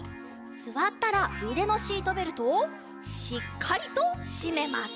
すわったらうでのシートベルトをしっかりとしめます。